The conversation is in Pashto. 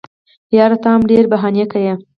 یاره ته هم ډېري بهانې کیې.